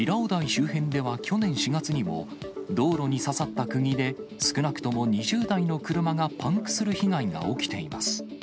周辺では去年４月にも、道路に刺さったくぎで、少なくとも２０台の車がパンクする被害が起きています。